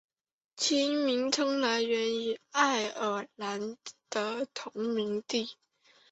其名称来源于爱尔兰的同名地。